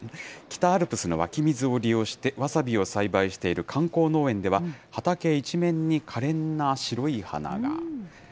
北アルプスの湧き水を利用して、わさびを栽培している観光農園では、畑一面に可憐な白い花が。